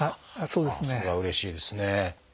それはうれしいですね。